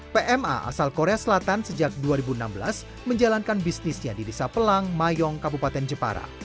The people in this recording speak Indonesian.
pma asal korea selatan sejak dua ribu enam belas menjalankan bisnisnya di desa pelang mayong kabupaten jepara